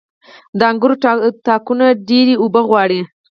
• د انګورو تاکونه ډيرې اوبه غواړي.